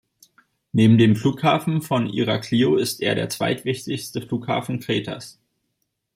Neben dem Flughafen von Iraklio ist er der zweitwichtigste Flughafen Kretas.